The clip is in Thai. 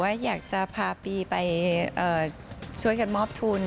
อยากจะพาปีไปช่วยกันมอบทุน